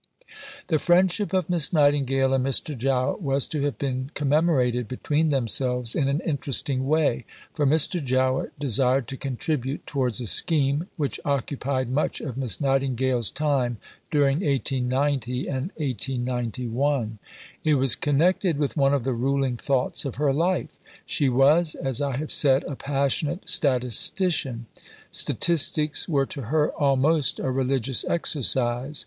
See above, p. 240. The friendship of Miss Nightingale and Mr. Jowett was to have been commemorated between themselves in an interesting way, for Mr. Jowett desired to contribute towards a scheme which occupied much of Miss Nightingale's time during 1890 and 1891. It was connected with one of the ruling thoughts of her life. She was, as I have said, a Passionate Statistician. Statistics were to her almost a religious exercise.